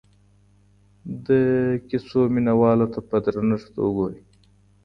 د کیسو مینه والو ته په درنښت وګورئ.